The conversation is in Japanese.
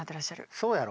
そうやろ？